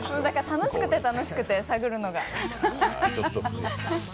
楽しくて、楽しくて、探るのが。